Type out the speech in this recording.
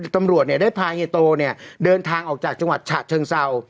ตำรวจเนี้ยได้พาเฮโตเนี้ยเดินทางออกจากจังหวัดฉาเชิงเซา